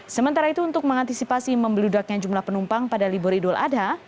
sementara itu untuk mengantisipasi membeludaknya jumlah penumpang pada libur idul adha